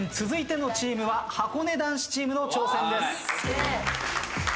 続いてのチームははこね男子チームの挑戦です。